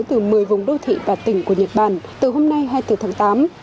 từ một mươi vùng đô thị và tỉnh của nhật bản từ hôm nay hay từ tháng tám